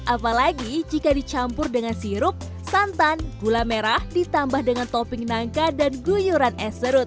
apalagi jika dicampur dengan sirup santan gula merah ditambah dengan topping nangka dan guyuran es serut